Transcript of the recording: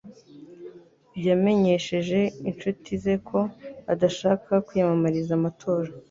Yamenyesheje inshuti ze ko adashaka kwiyamamariza amatora